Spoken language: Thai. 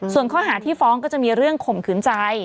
ส่วนข้อหาที่ฟ้องก็จะมีเรื่องข่มขืนใจ